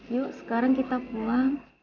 yuk sekarang kita pulang